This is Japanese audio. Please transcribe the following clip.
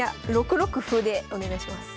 ６六歩でお願いします。